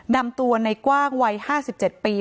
นำตัวในกว้างวัย๕๗ปี